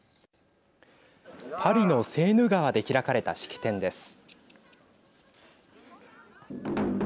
パリのセーヌ川で開かれた式典です。